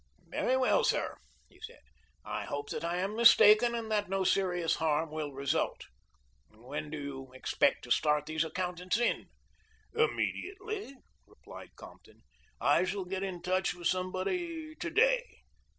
"Very well, sir," he said. "I hope that I am mistaken and that no serious harm will result. When do you expect to start these accountants in?" "Immediately," replied Compton. "I shall get in touch with somebody today."